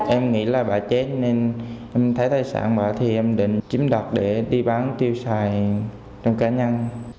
em nghĩ là bà chết nên em thấy thay sản bà thì em định chiếm đặt để đi bán tiêu xài trong cá nhân